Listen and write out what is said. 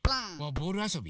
ボールあそび？